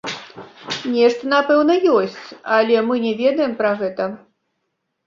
Нешта напэўна ёсць, але мы не ведаем пра гэта.